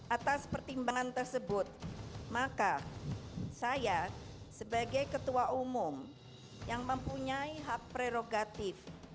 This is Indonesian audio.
atas pertimbangan tersebut maka saya sebagai ketua umum yang mempunyai hak prerogatif